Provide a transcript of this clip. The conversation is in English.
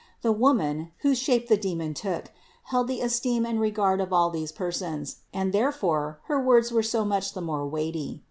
The woman, whose shape the demon took, held the esteem and regard of all these persons, and there fore her words were so much the more weighty.